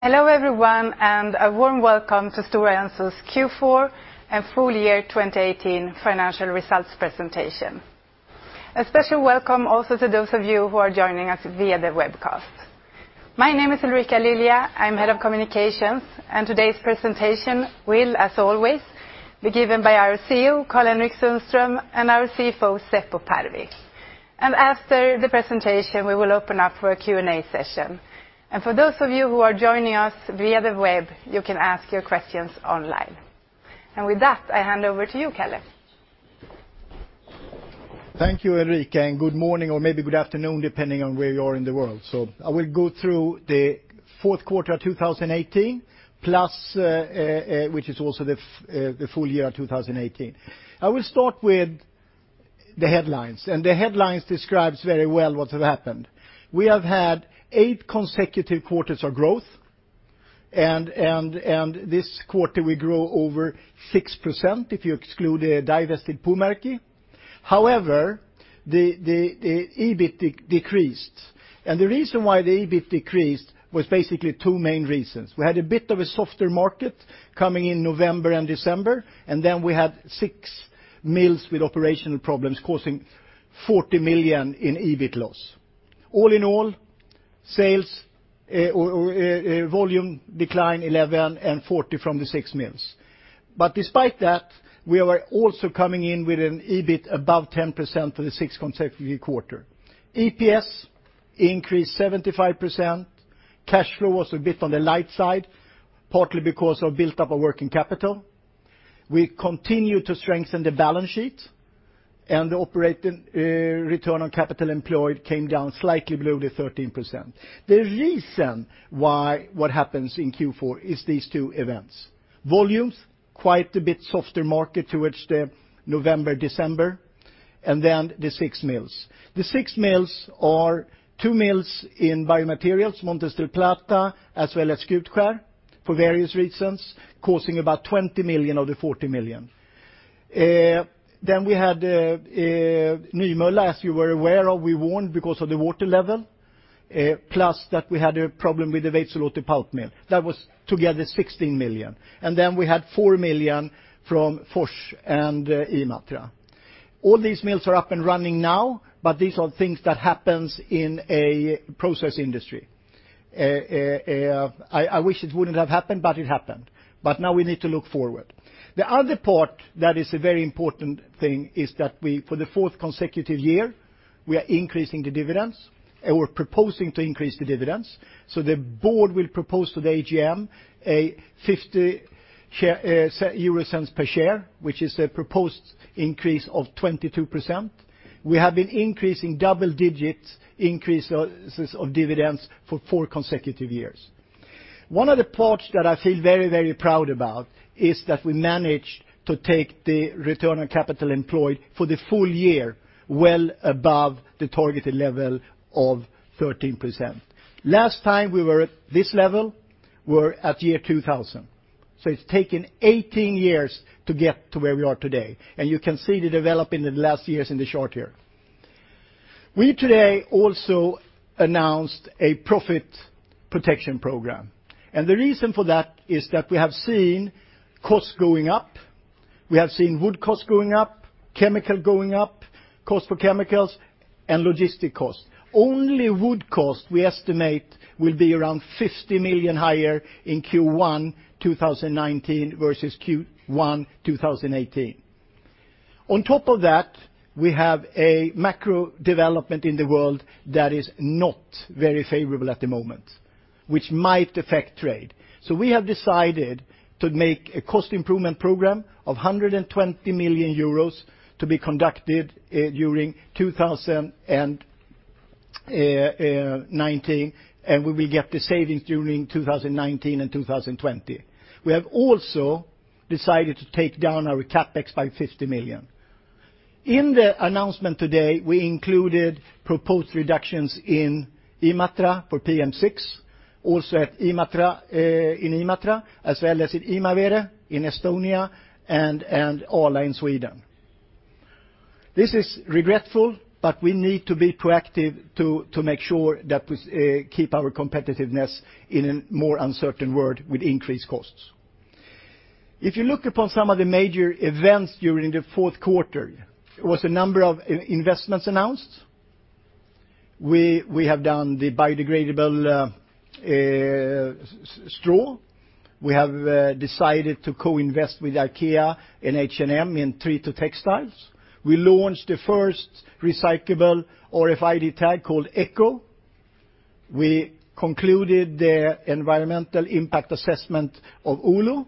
Hello, everyone, and a warm welcome to Stora Enso's Q4 and full year 2018 financial results presentation. A special welcome also to those of you who are joining us via the webcast. My name is Ulrika Lilja. I am head of communications. Today's presentation will, as always, be given by our CEO, Karl-Henrik Sundström, and our CFO, Seppo Parvi. After the presentation, we will open up for a Q&A session. For those of you who are joining us via the web, you can ask your questions online. With that, I hand over to you, Karl-Henrik. Thank you, Ulrika, and good morning, or maybe good afternoon, depending on where you are in the world. I will go through the fourth quarter of 2018, plus, which is also the full year of 2018. I will start with the headlines. The headlines describes very well what have happened. We have had eight consecutive quarters of growth. This quarter we grow over 6% if you exclude the divested Puumerkki. However, the EBIT decreased. The reason why the EBIT decreased was basically two main reasons. We had a bit of a softer market coming in November and December. Then we had six mills with operational problems causing 40 million in EBIT loss. All in all, sales, or volume declined 11, 40 from the six mills. Despite that, we are also coming in with an EBIT above 10% for the sixth consecutive quarter. EPS increased 75%. Cash flow was a bit on the light side, partly because of built up of working capital. We continue to strengthen the balance sheet. The operating return on capital employed came down slightly below the 13%. The reason why what happens in Q4 is these two events. Volumes, quite a bit softer market towards the November, December. Then the six mills. The six mills are two mills in Biomaterials, Montes del Plata, as well as Skutskär, for various reasons, causing about 20 million of the 40 million. We had Nymölla, as you were aware of, we warned because of the water level, plus that we had a problem with the Veitsiluoto pulp mill. That was together 16 million. We had 4 million from Fors and Imatra. All these mills are up and running now. These are things that happens in a process industry. I wish it wouldn't have happened. It happened. Now we need to look forward. The other part that is a very important thing is that we, for the fourth consecutive year, we are increasing the dividends, or proposing to increase the dividends. The board will propose to the AGM a 0.50 per share, which is a proposed increase of 22%. We have been increasing double digits increases of dividends for four consecutive years. One of the parts that I feel very, very proud about is that we managed to take the return on capital employed for the full year well above the targeted level of 13%. Last time we were at this level were at year 2000. It's taken 18 years to get to where we are today, you can see the development in the last years in the chart here. We today also announced a Profit Protection Program. The reason for that is that we have seen costs going up. We have seen wood costs going up, chemical going up, cost for chemicals, and logistic costs. Only wood cost we estimate will be around 50 million higher in Q1 2019 versus Q1 2018. On top of that, we have a macro development in the world that is not very favorable at the moment, which might affect trade. We have decided to make a cost improvement program of 120 million euros to be conducted during 2019, and we will get the savings during 2019 and 2020. We have also decided to take down our CapEx by 50 million. In the announcement today, we included proposed reductions in Imatra for PM6, also at Imatra, as well as in Imavere in Estonia, and Ala in Sweden. This is regretful, but we need to be proactive to make sure that we keep our competitiveness in a more uncertain world with increased costs. If you look upon some of the major events during the fourth quarter, it was a number of in-investments announced. We have done the biodegradable straw. We have decided to co-invest with IKEA and H&M in TreeToTextile. We launched the first recyclable RFID tag called ECO. We concluded the environmental impact assessment of Oulu,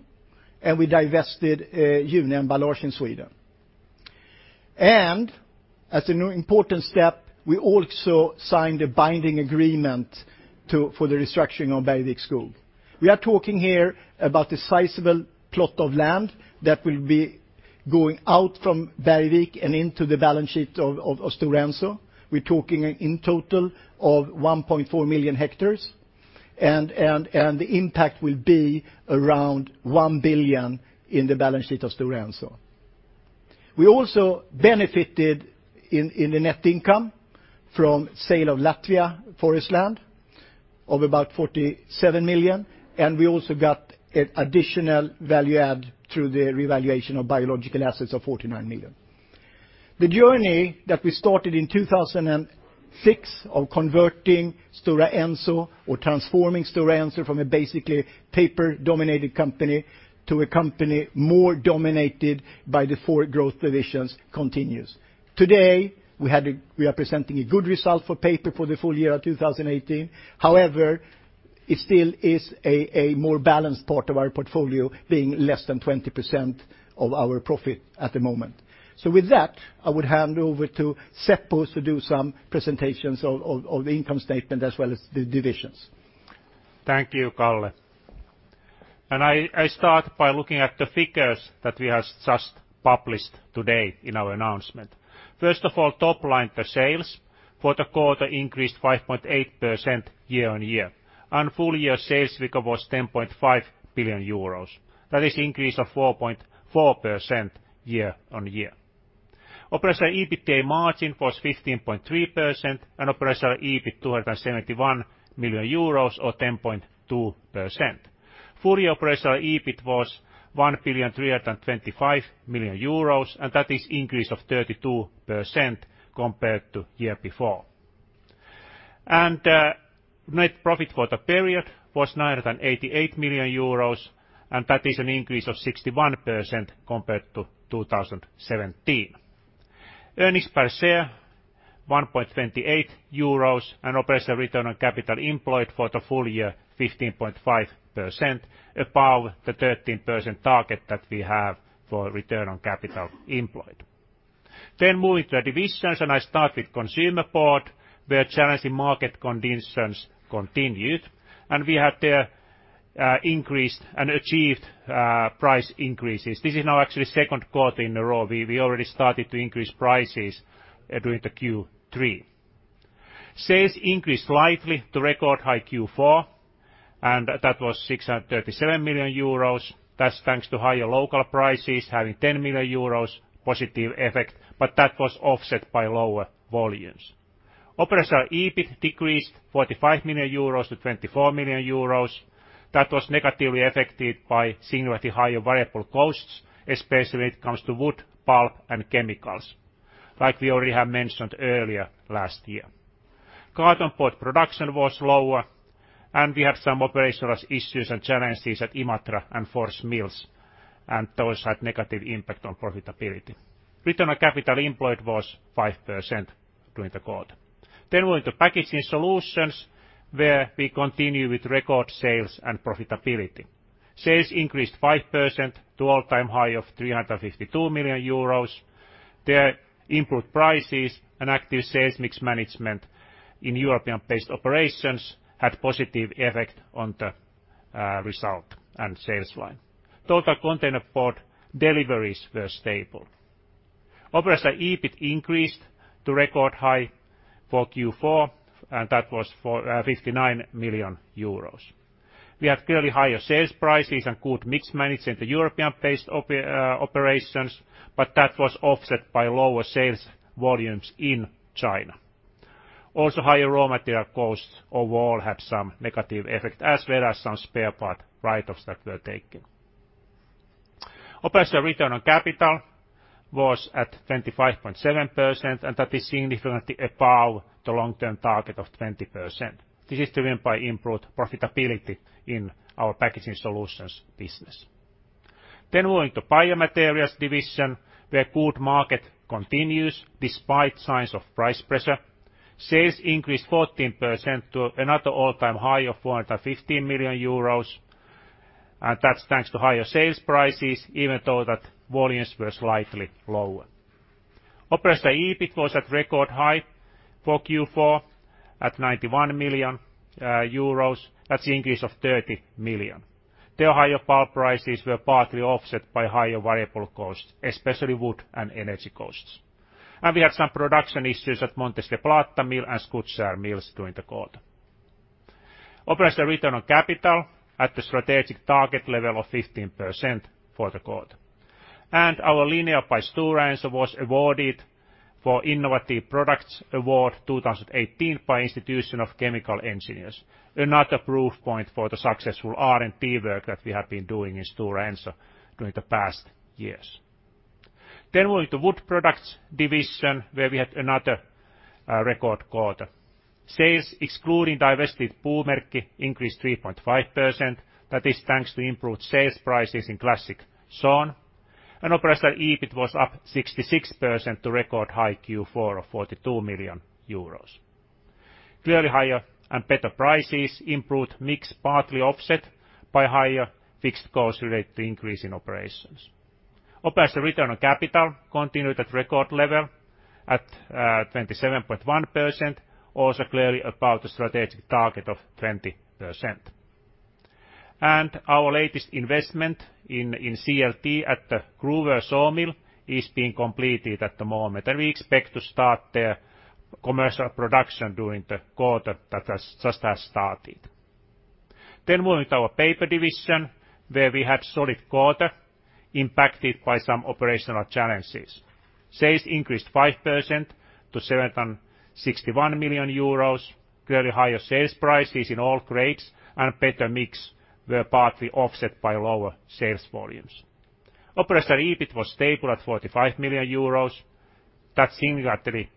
and we divested June and Balcas in Sweden. As a new important step, we also signed a binding agreement to, for the restructuring of Bergvik Skog. We are talking here about a sizable plot of land that will be going out from Bergvik and into the balance sheet of Stora Enso. We're talking in total of 1.4 million hectares, and the impact will be around 1 billion in the balance sheet of Stora Enso. We also benefited in the net income from sale of Latvia forest land of about 47 million, and we also got additional value add through the revaluation of biological assets of 49 million. The journey that we started in 2006 of converting Stora Enso or transforming Stora Enso from a basically paper-dominated company to a company more dominated by the four growth divisions continues. Today, we are presenting a good result for paper for the full year of 2018. However, it still is a more balanced part of our portfolio, being less than 20% of our profit at the moment. With that, I would hand over to Seppo to do some presentations of the income statement, as well as the divisions. Thank you, Kalle. First of all, top line, the sales for the quarter increased 5.8% year-on-year. Full year sales figure was 10.5 billion euros. That is an increase of 4.4% year-on-year. Operational EBITDA margin was 15.3% and operational EBIT 271 million EUR, or 10.2%. Full year operational EBIT was 1,325 million EUR, and that is an increase of 32% compared to year before. Net profit for the period was 988 million euros, and that is an increase of 61% compared to 2017. Earnings per share 1.28 euros. Operational return on capital employed for the full year, 15.5% above the 13% target that we have for return on capital employed. Moving to the divisions, I start with Consumer Board, where challenging market conditions continued, and we had there increased and achieved price increases. This is now actually second quarter in a row. We already started to increase prices during the Q3. Sales increased slightly to record high Q4, and that was 637 million euros. That's thanks to higher local prices having 10 million euros positive effect, but that was offset by lower volumes. Operational EBIT decreased 45 million euros to 24 million euros. That was negatively affected by significantly higher variable costs, especially when it comes to wood, pulp, and chemicals, like we already have mentioned earlier last year. Carton board production was lower. We had some operational issues and challenges at Imatra and Fors mills, and those had negative impact on profitability. Return on capital employed was 5% during the quarter. Moving to Packaging Solutions, where we continue with record sales and profitability. Sales increased 5% to all-time high of 352 million euros. There, improved prices and active sales mix management in European-based operations had positive effect on the result and sales line. Total container board deliveries were stable. Operational EBIT increased to record high for Q4, and that was for 59 million euros. We have clearly higher sales prices and good mix management in the European-based operations, but that was offset by lower sales volumes in China. Also, higher raw material costs overall have some negative effect, as well as some spare part write-offs that were taken. Operational return on capital was at 25.7%, and that is significantly above the long-term target of 20%. This is driven by improved profitability in our Packaging Solutions business. Moving to Biomaterials division, where good market continues despite signs of price pressure. Sales increased 14% to another all-time high of 415 million euros, and that's thanks to higher sales prices, even though that volumes were slightly lower. Operational EBIT was at record high for Q4, at 91 million euros. That's an increase of 30 million EUR. There, higher pulp prices were partly offset by higher variable costs, especially wood and energy costs. We had some production issues at Montes del Plata mill and Skutskär mills during the quarter. Operational return on capital at the strategic target level of 15% for the quarter. Our Lineo by Stora Enso was awarded for Innovative Product Award 2018 by Institution of Chemical Engineers, another proof point for the successful R&D work that we have been doing in Stora Enso during the past years. Moving to Wood Products division, where we had another record quarter. Sales excluding divested Puumerkki increased 3.5%. That is thanks to improved sales prices in Classic Sawn. Operational EBIT was up 66% to record high Q4 of 42 million euros. Clearly higher and better prices improved mix partly offset by higher fixed costs related to increase in operations. Operational return on capital continued at record level at 27.1%, also clearly above the strategic target of 20%. Our latest investment in CLT at the Gruvön sawmill is being completed at the moment, and we expect to start the commercial production during the quarter that has just started. Moving to our paper division, where we had solid quarter impacted by some operational challenges. Sales increased 5% to 761 million euros. Clearly higher sales prices in all grades and better mix were partly offset by lower sales volumes. Operational EBIT was stable at 45 million euros. That's significantly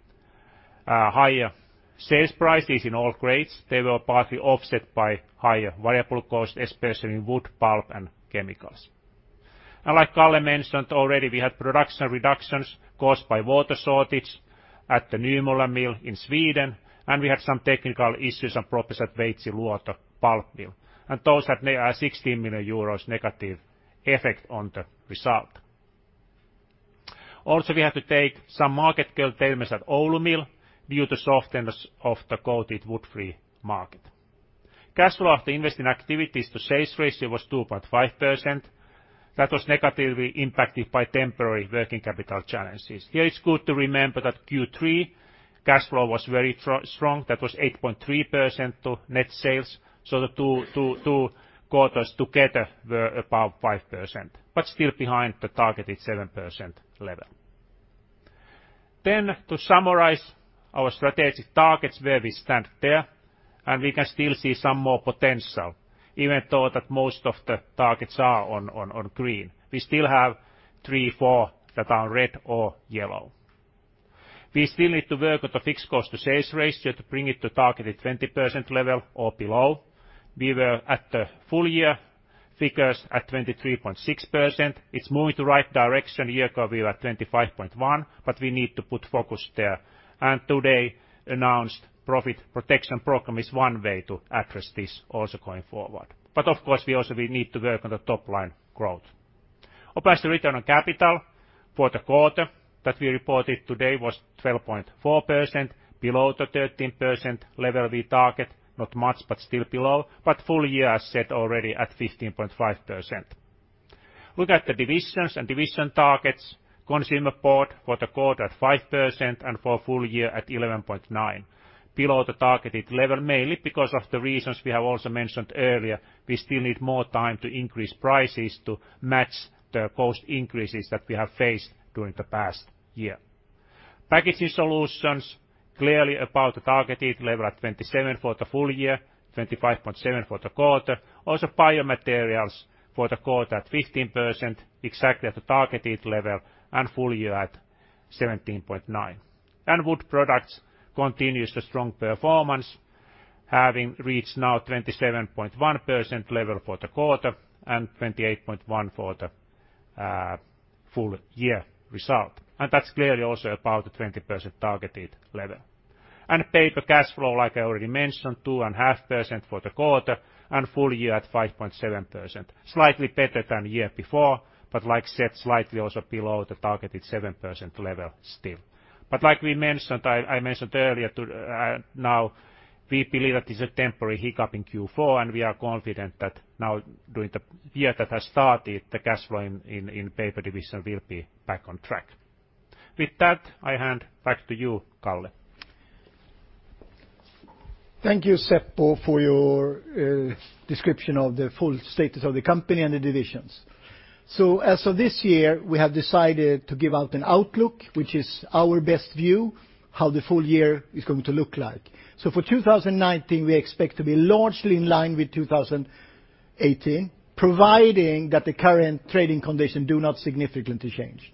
higher sales prices in all grades. They were partly offset by higher variable costs, especially in wood pulp and chemicals. Like Kalle mentioned already, we had production reductions caused by water shortage at the Nymölla mill in Sweden, and we had some technical issues and problems at Veitsiluoto Pulp Mill. Those had 16 million euros negative effect on the result. Also, we have to take some market curtailments at Oulu Mill due to softness of the coated wood-free market. Cash flow after investing activities to sales ratio was 2.5%. That was negatively impacted by temporary working capital challenges. Here it's good to remember that Q3 cash flow was very strong. That was 8.3% to net sales. The two quarters together were above 5%, but still behind the targeted 7% level. To summarize our strategic targets, where we stand there, and we can still see some more potential, even though that most of the targets are on green. We still have three, four that are red or yellow. We still need to work on the fixed cost to sales ratio to bring it to targeted 20% level or below. We were at the full year figures at 23.6%. It's moving to right direction. A year ago, we were at 25.1, but we need to put focus there. Today announced Profit Protection Program is one way to address this also going forward. Of course, we also will need to work on the top-line growth. Operating return on capital for the quarter that we reported today was 12.4%, below the 13% level we target, not much, but still below, but full year as said already at 15.5%. Look at the divisions and division targets, Consumer Board for the quarter at 5% and for full year at 11.9. Below the targeted level, mainly because of the reasons we have also mentioned earlier. We still need more time to increase prices to match the cost increases that we have faced during the past year. Packaging Solutions clearly above the targeted level at 27% for the full year, 25.7% for the quarter. Also Biomaterials for the quarter at 15%, exactly at the targeted level, and full year at 17.9%. Wood Products continues a strong performance, having reached now 27.1% level for the quarter and 28.1% for the full year result. That's clearly also above the 20% targeted level. Paper cash flow, like I already mentioned, 2.5% for the quarter and full year at 5.7%. Slightly better than the year before, like I said, slightly also below the targeted 7% level still. Like we mentioned, I mentioned earlier now, we believe that it's a temporary hiccup in Q4, and we are confident that now during the year that has started, the cash flow in Paper division will be back on track. With that, I hand back to you, Kalle. Thank you, Seppo, for your description of the full status of the company and the divisions. As of this year, we have decided to give out an outlook, which is our best view how the full year is going to look like. For 2019, we expect to be largely in line with 2018, providing that the current trading condition do not significantly change.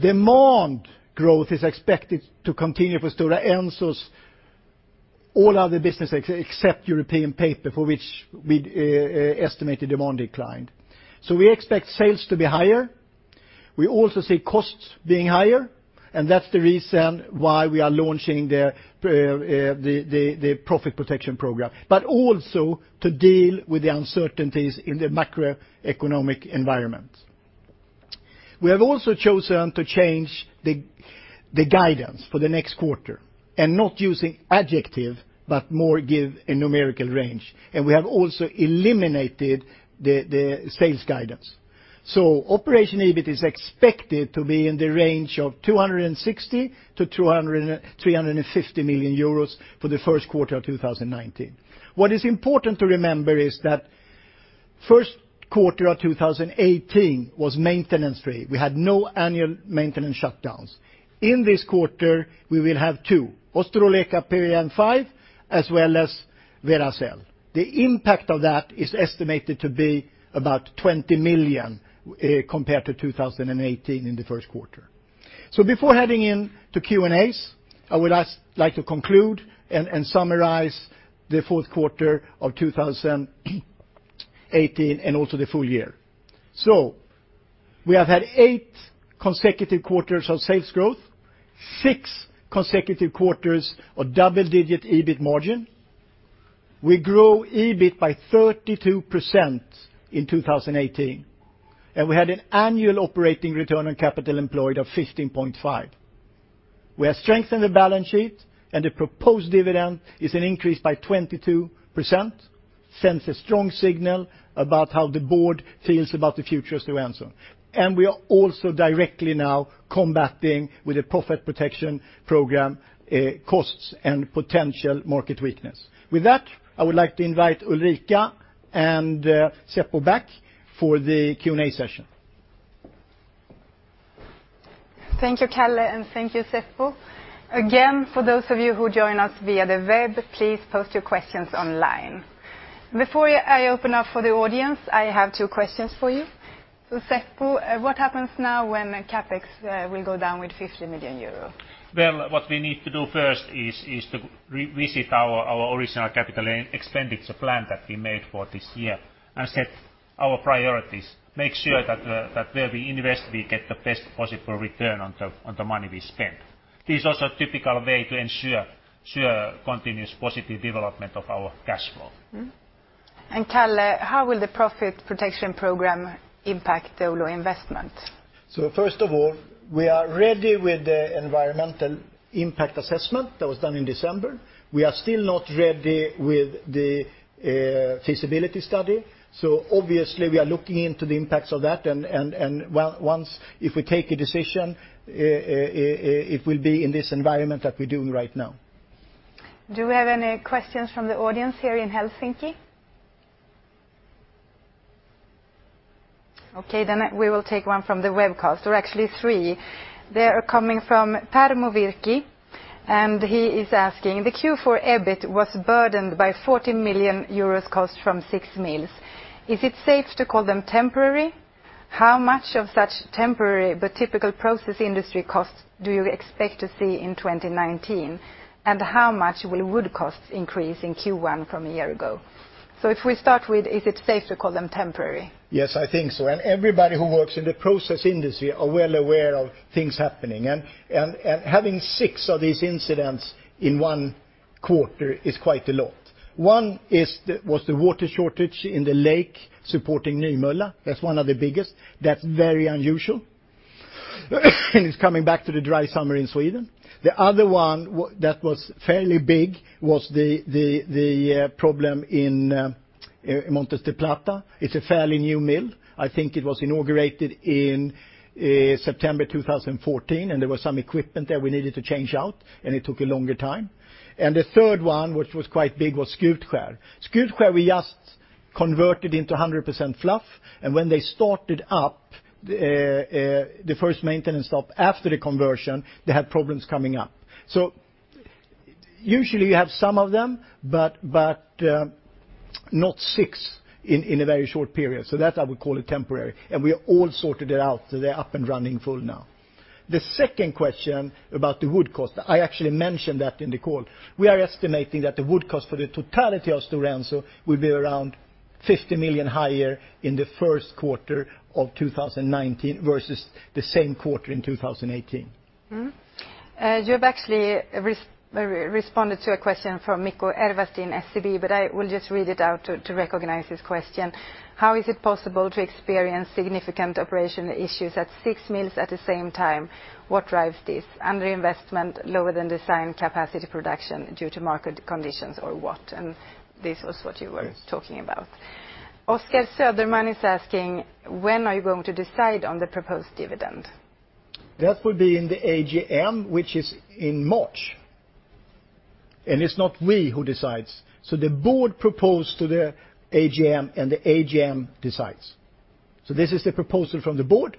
Demand growth is expected to continue for Stora Enso's all other business except European paper, for which we estimated demand declined. We expect sales to be higher. We also see costs being higher, and that's the reason why we are launching the Profit Protection Program. Also to deal with the uncertainties in the macroeconomic environment. We have also chosen to change the guidance for the next quarter, not using adjective, but more give a numerical range. We have also eliminated the sales guidance. Operational EBIT is expected to be in the range of 260 million-350 million euros for the first quarter of 2019. What is important to remember is that first quarter of 2018 was maintenance free. We had no annual maintenance shutdowns. In this quarter, we will have two, Ostrołęka PM5 as well as Veracel. The impact of that is estimated to be about 20 million compared to 2018 in the first quarter. Before heading into Q&As, I would like to conclude and summarize the fourth quarter of 2018 and also the full year. We have had eight consecutive quarters of sales growth, six consecutive quarters of double-digit EBIT margin. We grew EBIT by 32% in 2018, and we had an annual operating return on capital employed of 15.5%. We have strengthened the balance sheet, the proposed dividend is an increase by 22%, sends a strong signal about how the board feels about the future of Stora Enso. We are also directly now combating with a Profit Protection Program costs and potential market weakness. With that, I would like to invite Ulrika and Seppo back for the Q&A session. Thank you, Kalle, and thank you, Seppo. Again, for those of you who join us via the web, please post your questions online. Before I open up for the audience, I have two questions for you. Seppo, what happens now when CapEx will go down with 50 million euro? Well, what we need to do first is to revisit our original capital expenditure plan that we made for this year and set our priorities, make sure that where we invest, we get the best possible return on the money we spend. This is also a typical way to ensure continuous positive development of our cash flow. Kalle, how will the Profit Protection Program impact the Oulu investment? First of all, we are ready with the environmental impact assessment that was done in December. We are still not ready with the feasibility study, obviously we are looking into the impacts of that, and once, if we take a decision, it will be in this environment that we're doing right now. Do we have any questions from the audience here in Helsinki? We will take one from the webcast, or actually three. They are coming from Tarmo Virki, and he is asking: "The Q4 EBIT was burdened by 40 million euros cost from 6 mills. Is it safe to call them temporary? How much of such temporary but typical process industry costs do you expect to see in 2019? How much will wood costs increase in Q1 from a year ago?" If we start with, is it safe to call them temporary? Yes, I think so. Everybody who works in the process industry are well aware of things happening, and having 6 of these incidents in 1 quarter is quite a lot. One was the water shortage in the lake supporting Nymölla. That's one of the biggest. That's very unusual. It's coming back to the dry summer in Sweden. The other one that was fairly big was the problem in Montes del Plata. It's a fairly new mill. I think it was inaugurated in September 2014, and there was some equipment there we needed to change out, and it took a longer time. The third one, which was quite big, was Skutskär. Skutskär we just converted into 100% fluff, and when they started up the first maintenance up after the conversion, they had problems coming up. Usually you have some of them, but not 6 in a very short period. That I would call it temporary, and we all sorted it out, so they're up and running full now. The second question about the wood cost, I actually mentioned that in the call. We are estimating that the wood cost for the totality of Stora Enso will be around 50 million higher in the first quarter of 2019 versus the same quarter in 2018. You've actually responded to a question from Mikko Ervasti in SEB, I will just read it out to recognize his question. "How is it possible to experience significant operation issues at 6 mills at the same time? What drives this? Underinvestment, lower than design capacity production due to market conditions, or what?" This was what you were talking about. Oscar Söderman is asking, when are you going to decide on the proposed dividend? That will be in the AGM, which is in March. It's not we who decides. The board propose to the AGM, and the AGM decides. This is the proposal from the board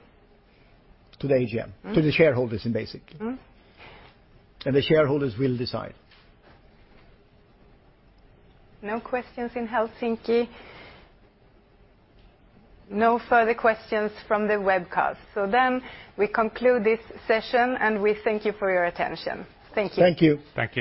to the AGM, to the shareholders in basic. The shareholders will decide. No questions in Helsinki. No further questions from the webcast. We conclude this session, and we thank you for your attention. Thank you. Thank you. Thank you.